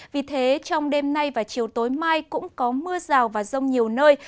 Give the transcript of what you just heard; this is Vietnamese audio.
vì thế trong đêm nay và chiều tối mai cũng có mưa rào và rông nhiều nơi